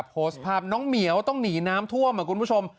โพสต์ภาพน้องเหมียวต้องหนีน้ำท่วมคุณผู้ชม